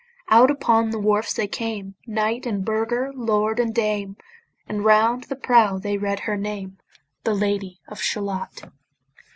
Out upon the wharfs they came, Knight and burgher, lord and dame, And round the prow they read her name, The Lady of Shalott.